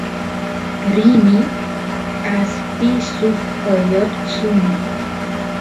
rini aspiy suk oyot suni